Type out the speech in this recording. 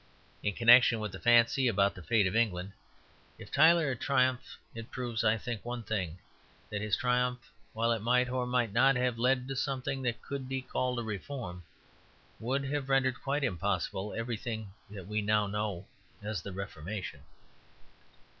In connection with the fancy about the fate of England if Tyler had triumphed, it proves, I think, one thing; that his triumph, while it might or might not have led to something that could be called a reform, would have rendered quite impossible everything that we now know as the Reformation.